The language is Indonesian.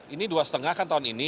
ini dua lima kan tahun ini